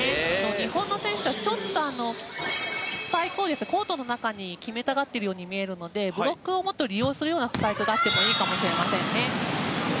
日本の選手はちょっとスパイクをコートの中に決めたがっているように見えるのでブロックをもっと利用するようなスパイクがあってもいいかもしれませんね。